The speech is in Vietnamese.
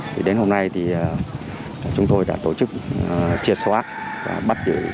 thì đến hôm nay thì chúng tôi đã tổ chức triệt xóa và bắt giữ bốn đối tượng